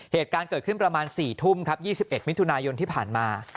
เหตุการณ์เกิดขึ้นประมาณ๔ทุ่ม๒๑มิยที่ผ่านมา